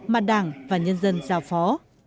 mà đảng và nhân dân giao phó